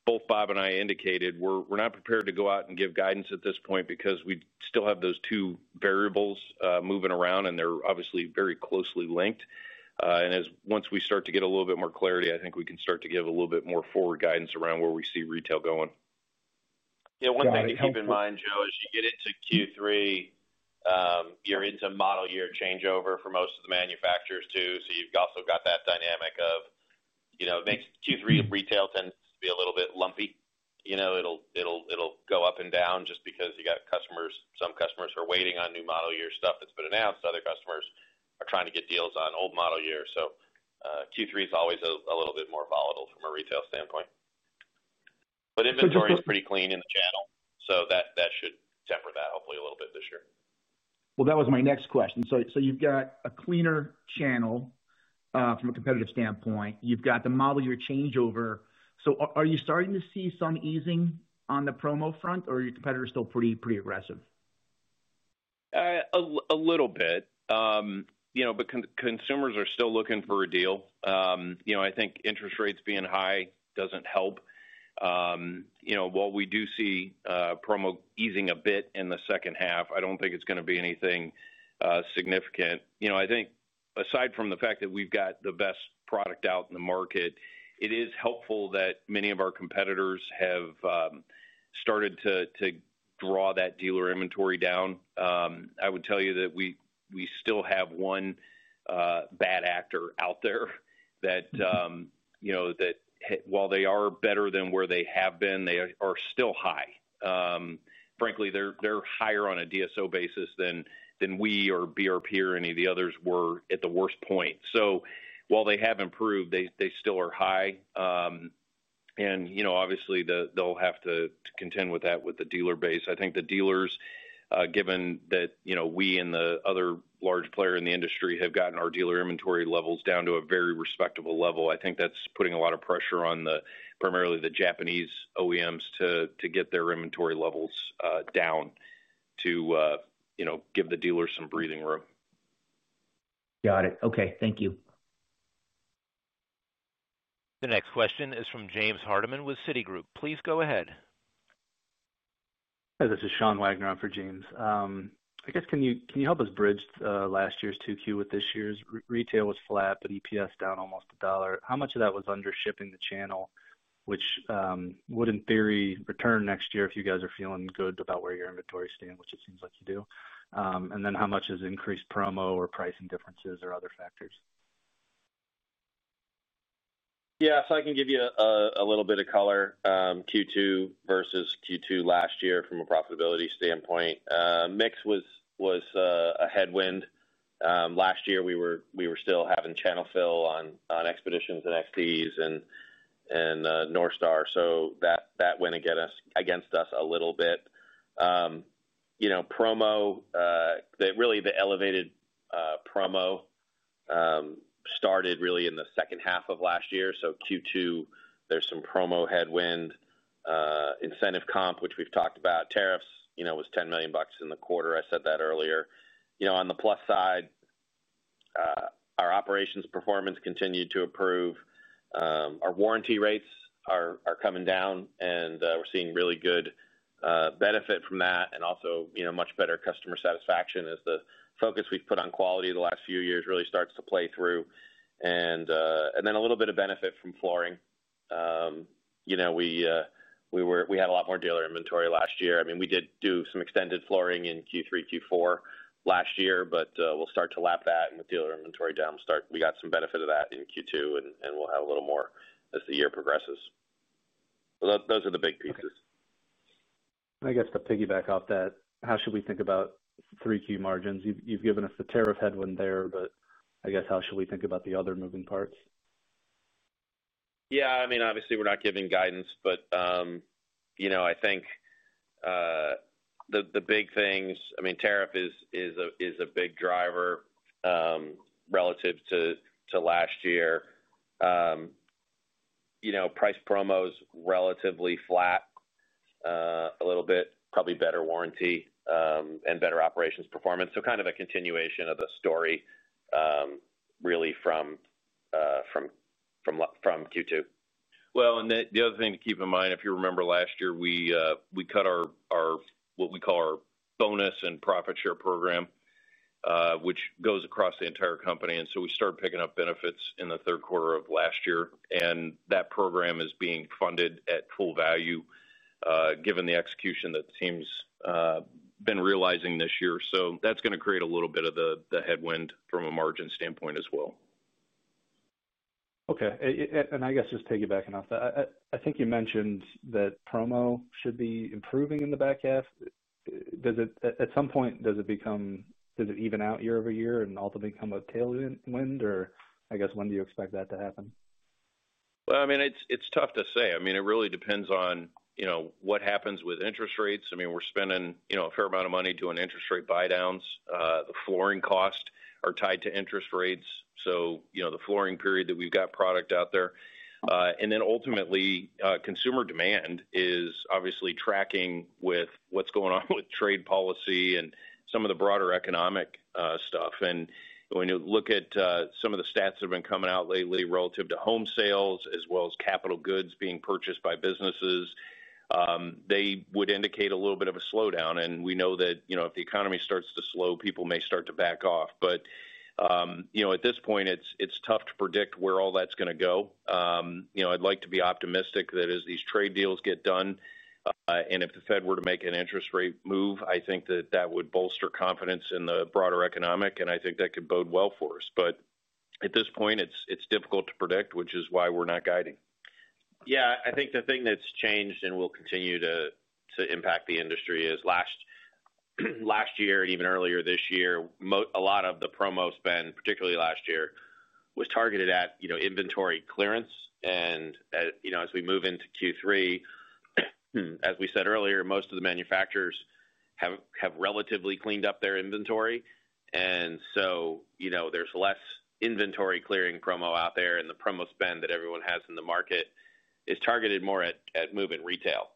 both Bob and I indicated, we're not prepared to go out and give guidance at this point because we still have those two variables moving around, and they're obviously very closely linked. Once we start to get a little bit more clarity, I think we can start to give a little bit more forward guidance around where we see retail going. Yeah, one thing to keep in mind, Joe, is you get into Q3, you're into model year changeover for most of the manufacturers too. You've also got that dynamic of, you know, it makes Q3 retail tend to be a little bit lumpy. It'll go up and down just because you got customers, some customers are waiting on new model year stuff that's been announced. Other customers are trying to get deals on old model year. Q3 is always a little bit more volatile from a retail standpoint. Inventory is pretty clean in the channel, so that should temper that hopefully a little bit this year. That was my next question. You've got a cleaner channel from a competitive standpoint. You've got the model year changeover. Are you starting to see some easing on the promo front, or are your competitors still pretty aggressive? Consumers are still looking for a deal. I think interest rates being high doesn't help. While we do see promo easing a bit in the second half, I don't think it's going to be anything significant. I think aside from the fact that we've got the best product out in the market, it is helpful that many of our competitors have started to draw that dealer inventory down. I would tell you that we still have one bad actor out there that, while they are better than where they have been, they are still high. Frankly, they're higher on a DSO basis than we or BRP or any of the others were at the worst point. While they have improved, they still are high. Obviously they'll have to contend with that with the dealer base. I think the dealers, given that we and the other large player in the industry have gotten our dealer inventory levels down to a very respectable level, are putting a lot of pressure on primarily the Japanese OEMs to get their inventory levels down to give the dealers some breathing room. Got it. Okay, thank you. The next question is from James Hardiman with Citigroup. Please go ahead. Hi, this is Sean Wagner for James. I guess can you help us bridge last year's Q2 with this year's? Retail was flat, but adjusted EPS down almost $1. How much of that was under shipping the channel, which would in theory return next year if you guys are feeling good about where your inventory stands, which it seems like you do? How much has increased promo or pricing differences or other factors? Yeah, I can give you a little bit of color. Q2 versus Q2 last year from a profitability standpoint, mix was a headwind. Last year we were still having channel fill on XPEDITIONs and XDs and NorthStar, so that went against us a little bit. Promo, really the elevated promo started in the second half of last year. Q2, there's some promo headwind, incentive comp, which we've talked about. Tariffs were $10 million in the quarter. I said that earlier. On the plus side, our operations performance continued to improve. Our warranty rates are coming down and we're seeing really good benefit from that. Also, much better customer satisfaction as the focus we've put on quality the last few years really starts to play through. A little bit of benefit from flooring. We had a lot more dealer inventory last year. We did do some extended flooring in Q3, Q4 last year, but we'll start to lap that and with dealer inventory down, we got some benefit of that in Q2 and we'll have a little more as the year progresses. Those are the big pieces. I guess to piggyback off that, how should we think about 3Q margins? You've given us the tariff headwind there, but I guess how should we think about the other moving parts? Yeah, I mean, obviously we're not giving guidance, but you know, I think the big things, I mean, tariff is a big driver relative to last year. You know, price promos relatively flat, a little bit, probably better warranty and better operations performance. Kind of a continuation of the story really from Q2. If you remember last year, we cut our, what we call our bonus and profit share program, which goes across the entire company. We started picking up benefits in the third quarter of last year. That program is being funded at full value, given the execution that the team's been realizing this year. That's going to create a little bit of the headwind from a margin standpoint as well. Okay, just to piggyback on that, I think you mentioned that promo should be improving in the back half. Does it, at some point, even out year-over-year and ultimately become a tailwind, or when do you expect that to happen? It's tough to say. It really depends on what happens with interest rates. We're spending a fair amount of money doing interest rate buy-downs. The flooring costs are tied to interest rates, so the flooring period that we've got product out there. Ultimately, consumer demand is obviously tracking with what's going on with trade policy and some of the broader economic stuff. When you look at some of the stats that have been coming out lately relative to home sales as well as capital goods being purchased by businesses, they would indicate a little bit of a slowdown. We know that if the economy starts to slow, people may start to back off. At this point, it's tough to predict where all that's going to go. I'd like to be optimistic that as these trade deals get done, and if the Fed were to make an interest rate move, I think that would bolster confidence in the broader economic. I think that could bode well for us. At this point, it's difficult to predict, which is why we're not guiding. I think the thing that's changed and will continue to impact the industry is last year and even earlier this year, a lot of the promo spend, particularly last year, was targeted at inventory clearance. As we move into Q3, as we said earlier, most of the manufacturers have relatively cleaned up their inventory. There is less inventory clearing promo out there, and the promo spend that everyone has in the market is targeted more at moving retail.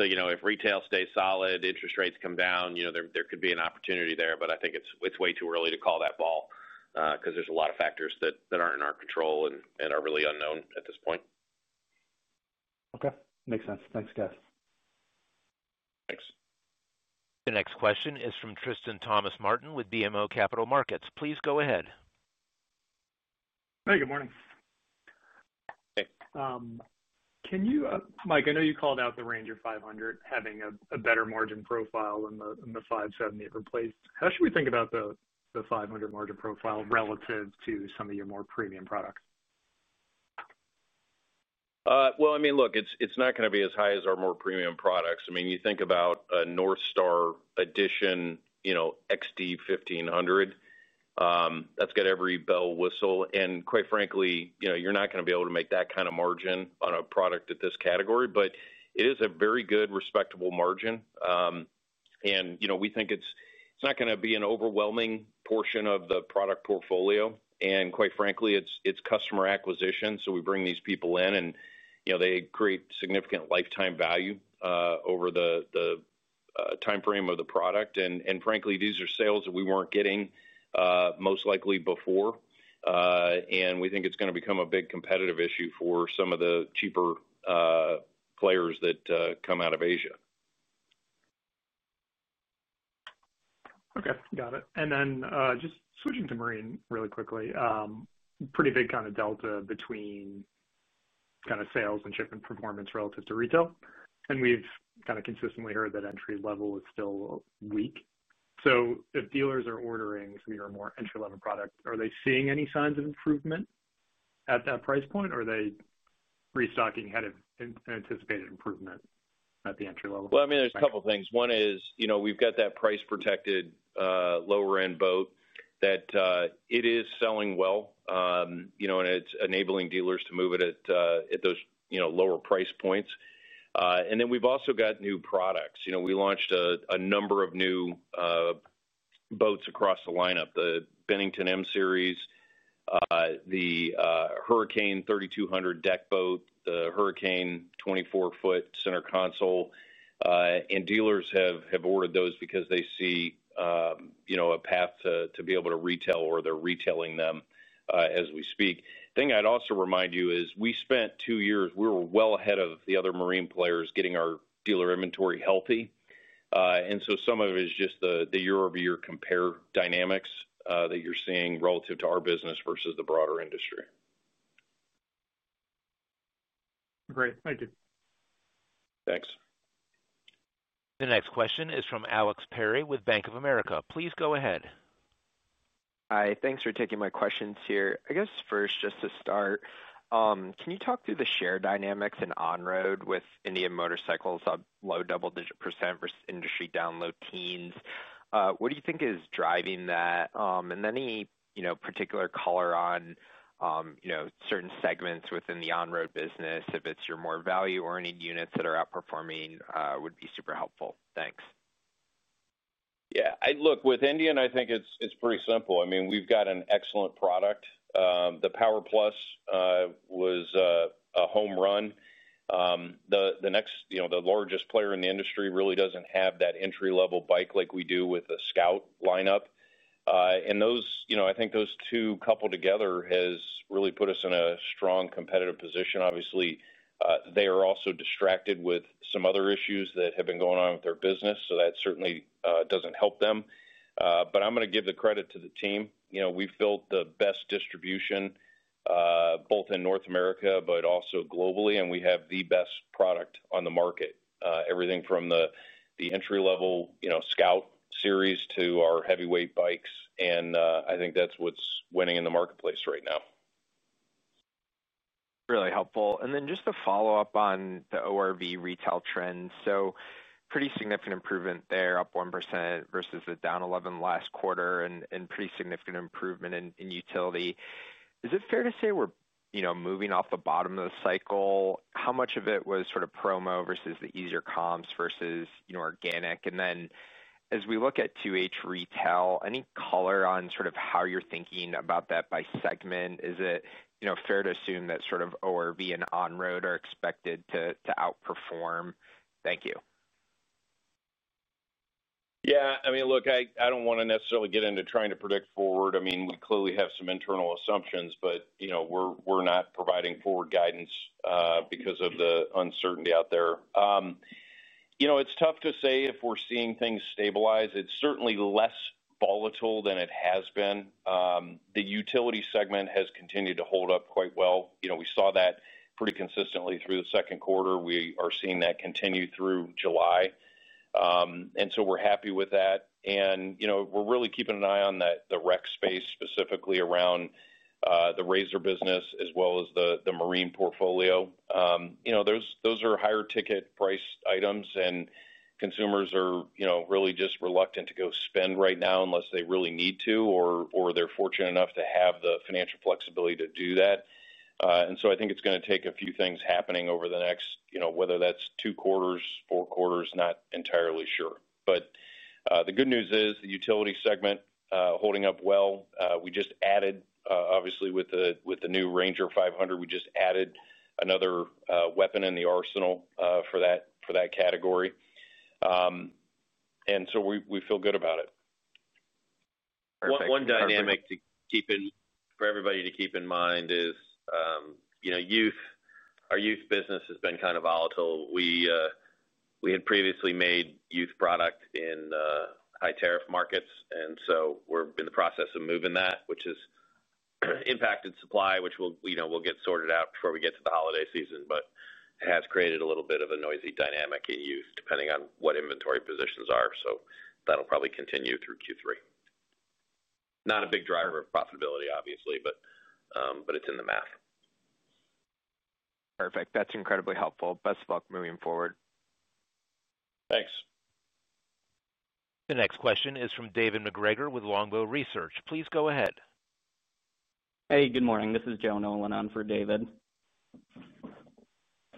If retail stays solid, interest rates come down, there could be an opportunity there. I think it's way too early to call that ball because there are a lot of factors that aren't in our control and are really unknown at this point. Okay, makes sense. Thanks, guys. Thanks. The next question is from Tristan Thomas-Martin with BMO Capital Markets. Please go ahead. Hey, good morning. Hey. Can you, Mike, I know you called out the RANGER 500 having a better margin profile than the 570 it replaced. How should we think about the 500 margin profile relative to some of your more premium products? It is not going to be as high as our more premium products. You think about a NorthStar Edition, you know, XD 1500. That's got every bell and whistle. Quite frankly, you're not going to be able to make that kind of margin on a product at this category, but it is a very good, respectable margin. We think it's not going to be an overwhelming portion of the product portfolio. Quite frankly, it's customer acquisition. We bring these people in and, you know, they create significant lifetime value over the timeframe of the product. Frankly, these are sales that we weren't getting most likely before. We think it's going to become a big competitive issue for some of the cheaper players that come out of Asia. Okay, got it. Just switching to Marine really quickly, there is a pretty big kind of delta between sales and shipment performance relative to retail. We've consistently heard that entry level is still weak. If dealers are ordering some of your more entry-level product, are they seeing any signs of improvement at that price point, or are they restocking ahead of anticipated improvement at the entry level? There are a couple of things. One is, you know, we've got that price-protected lower-end boat that is selling well, and it's enabling dealers to move it at those lower price points. We've also got new products. You know, we launched a number of new boats across the lineup: the Bennington M Series, the Hurricane 3200 deck boat, the Hurricane 24 ft Center Console. Dealers have ordered those because they see a path to be able to retail or they're retailing them as we speak. The thing I'd also remind you is we spent two years, we were well ahead of the other marine players getting our dealer inventory healthy. Some of it is just the year-over-year compare dynamics that you're seeing relative to our business versus the broader industry. Great, thank you. Thanks. The next question is from Alex Perry with Bank of America. Please go ahead. Hi, thanks for taking my questions here. I guess first, just to start, can you talk through the share dynamics in On Road with Indian Motorcycle of low double-digit percent versus industry down low teens? What do you think is driving that? Particular color on certain segments within the On Road business, if it's your more value-oriented units that are outperforming, would be super helpful. Thanks. Yeah, I look with Indian, I think it's pretty simple. I mean, we've got an excellent product. The PowerPlus was a home run. The next, you know, the largest player in the industry really doesn't have that entry-level bike like we do with a Scout lineup. I think those two coupled together have really put us in a strong competitive position. Obviously, they are also distracted with some other issues that have been going on with their business. That certainly doesn't help them. I'm going to give the credit to the team. We've built the best distribution both in North America, but also globally. We have the best product on the market, everything from the entry-level Scout series to our heavyweight bikes. I think that's what's winning in the marketplace right now. Really helpful. Just to follow up on the ORV retail trends, pretty significant improvement there, up 1% versus the down 11% last quarter and pretty significant improvement in utility. Is it fair to say we're moving off the bottom of the cycle? How much of it was sort of promo versus the easier comps versus organic? As we look at to each retail, any color on how you're thinking about that by segment? Is it fair to assume that ORV and On Road are expected to outperform? Thank you. Yeah, I mean, look, I don't want to necessarily get into trying to predict forward. I mean, we clearly have some internal assumptions, but we're not providing forward guidance because of the uncertainty out there. It's tough to say if we're seeing things stabilize. It's certainly less volatile than it has been. The utility segment has continued to hold up quite well. We saw that pretty consistently through the second quarter. We are seeing that continue through July, and we're happy with that. We're really keeping an eye on the rec space specifically around the RZR business as well as the Marine portfolio. Those are higher ticket priced items, and consumers are really just reluctant to go spend right now unless they really need to or they're fortunate enough to have the financial flexibility to do that. I think it's going to take a few things happening over the next, whether that's two quarters, four quarters, not entirely sure. The good news is the utility segment holding up well. We just added, obviously with the new RANGER 500, we just added another weapon in the arsenal for that category, and we feel good about it. One dynamic for everybody to keep in mind is, you know, our youth business has been kind of volatile. We had previously made youth product in high tariff markets. We are in the process of moving that, which has impacted supply, which we'll get sorted out before we get to the holiday season. It has created a little bit of a noisy dynamic in youth depending on what inventory positions are. That'll probably continue through Q3. Not a big driver of profitability, obviously, but it's in the math. Perfect. That's incredibly helpful. Best of luck moving forward. Thanks. The next question is from David MacGregor with Longbow Research. Please go ahead. Hey, good morning. This is Joe Nolan on for David.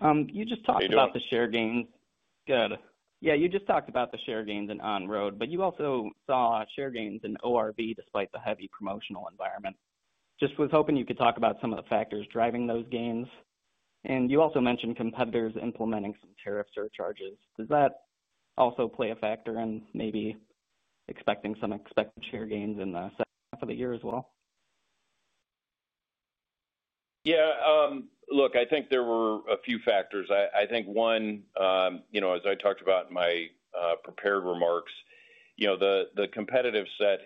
You just talked about the share gains. You just talked about the share gains in On Road, but you also saw share gains in ORV despite the heavy promotional environment. I was hoping you could talk about some of the factors driving those gains. You also mentioned competitors implementing some tariff surcharges. Does that also play a factor in maybe expecting some expected share gains in the second half of the year as well? Yeah, look, I think there were a few factors. I think, one, as I talked about in my prepared remarks, the competitive set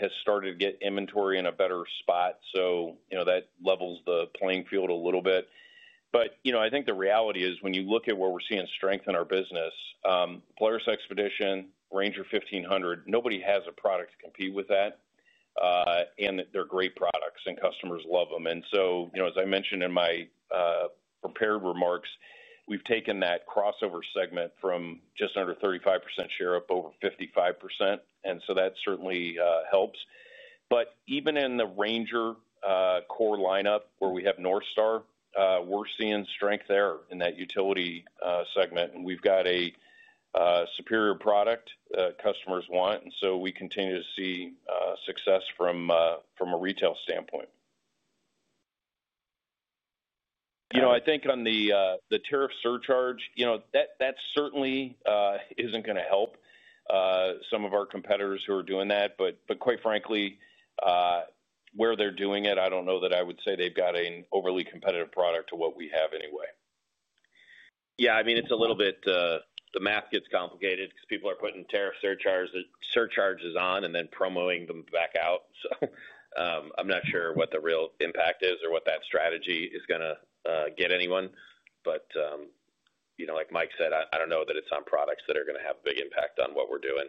has started to get inventory in a better spot. That levels the playing field a little bit. I think the reality is when you look at where we're seeing strength in our business, Polaris XPEDITION, RANGER 1500, nobody has a product to compete with that. They're great products and customers love them. As I mentioned in my prepared remarks, we've taken that crossover segment from just under 35% share up over 55%. That certainly helps. Even in the RANGER core lineup where we have NorthStar, we're seeing strength there in that utility segment. We've got a superior product customers want, and we continue to see success from a retail standpoint. I think on the tariff surcharge, that certainly isn't going to help some of our competitors who are doing that. Quite frankly, where they're doing it, I don't know that I would say they've got an overly competitive product to what we have anyway. Yeah, I mean, it's a little bit, the math gets complicated because people are putting tariff surcharges on and then promoting them back out. I'm not sure what the real impact is or what that strategy is going to get anyone. You know, like Mike said, I don't know that it's on products that are going to have a big impact on what we're doing.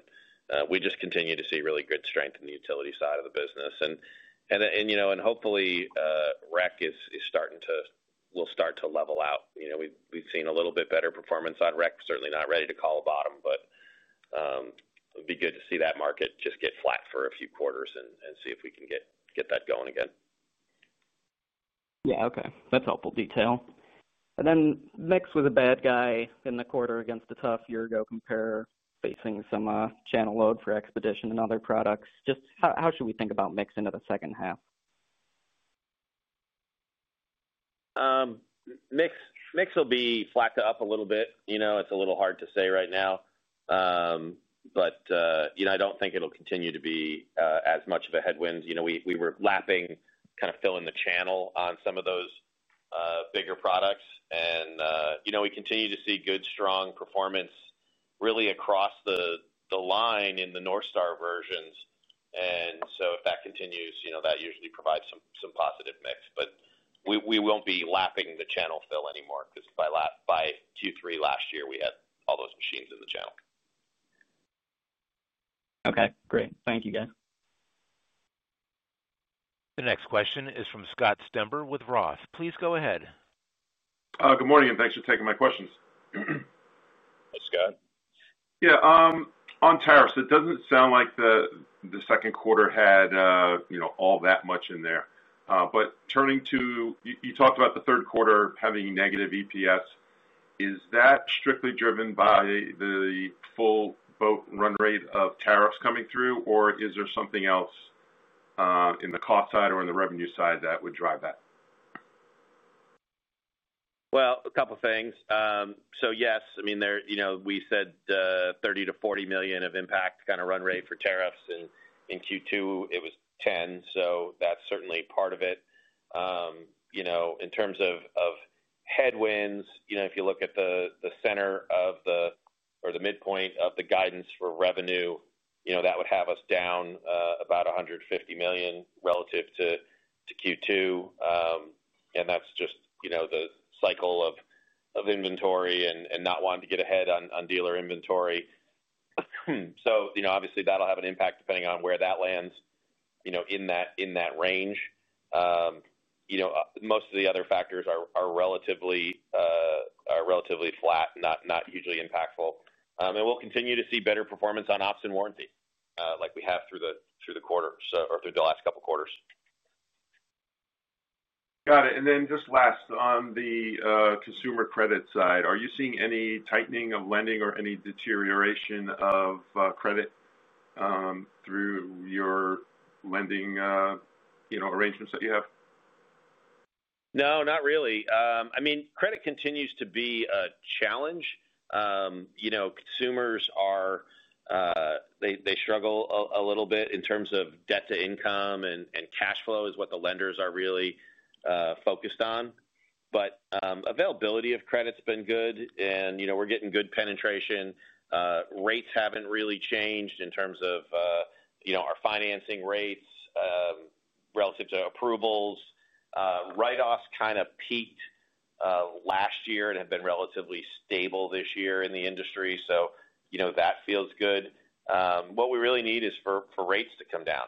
We just continue to see really good strength in the utility side of the business. Hopefully, rec is starting to, will start to level out. We've seen a little bit better performance on rec. Certainly not ready to call a bottom, but it'd be good to see that market just get flat for a few quarters and see if we can get that going again. Yeah, okay. That's helpful detail. Mixed with a bad guy in the quarter against a tough year-ago comparer facing some channel load for XPEDITION and other products, just how should we think about mix into the second half? Mix will be flat to up a little bit. It's a little hard to say right now, but I don't think it'll continue to be as much of a headwind. We were lapping, kind of filling the channel on some of those bigger products, and we continue to see good strong performance really across the line in the NorthStar versions. If that continues, that usually provides some positive mix. We won't be lapping the channel fill anymore because by Q3 last year, we had all those machines in the channel. Okay, great. Thank you, guys. The next question is from Scott Stember with ROTH. Please go ahead. Good morning, and thanks for taking my questions. Hey, Scott. Yeah, on tariffs, it doesn't sound like the second quarter had all that much in there. Turning to, you talked about the third quarter having negative EPS. Is that strictly driven by the full boat run rate of tariffs coming through, or is there something else in the cost side or in the revenue side that would drive that? Yes, I mean, there, you know, we said $30 million-$40 million of impact, kind of run rate for tariffs. In Q2, it was $10 million. That's certainly part of it. In terms of headwinds, if you look at the midpoint of the guidance for revenue, that would have us down about $150 million relative to Q2. That's just the cycle of inventory and not wanting to get ahead on dealer inventory. Obviously, that'll have an impact depending on where that lands in that range. Most of the other factors are relatively flat, not hugely impactful. We'll continue to see better performance on ops and warranty like we have through the quarter or through the last couple of quarters. Got it. Just last on the consumer credit side, are you seeing any tightening of lending or any deterioration of credit through your lending arrangements that you have? No, not really. I mean, credit continues to be a challenge. Consumers are, they struggle a little bit in terms of debt to income, and cash flow is what the lenders are really focused on. Availability of credit's been good, and we're getting good penetration. Rates haven't really changed in terms of our financing rates relative to approvals. Write-offs kind of peaked last year and have been relatively stable this year in the industry. That feels good. What we really need is for rates to come down.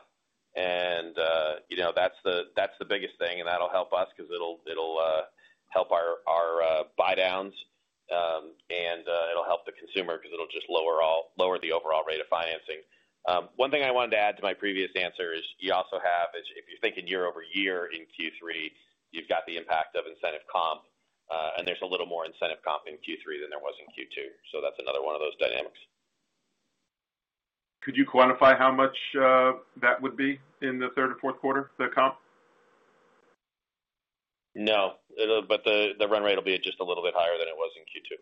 That's the biggest thing. That'll help us because it'll help our buy-downs, and it'll help the consumer because it'll just lower the overall rate of financing. One thing I wanted to add to my previous answer is you also have, if you're thinking year-over-year in Q3, you've got the impact of incentive comp, and there's a little more incentive comp in Q3 than there was in Q2. That's another one of those dynamics. Could you quantify how much that would be in the third or fourth quarter, the comp? No, but the run rate will be just a little bit higher than it was in Q2.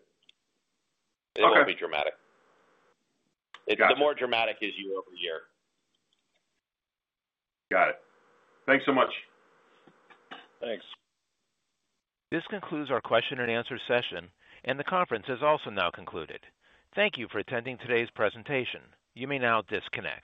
It won't be dramatic. The more dramatic is year-over-year. Got it. Thanks so much. Thanks. This concludes our question and answer session, and the conference has also now concluded. Thank you for attending today's presentation. You may now disconnect.